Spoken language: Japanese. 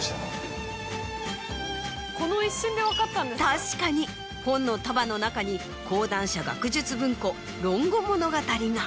確かに本の束の中に講談社学術文庫『論語物語』が。